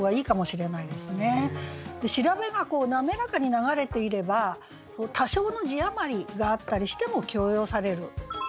調べが滑らかに流れていれば多少の字余りがあったりしても許容される。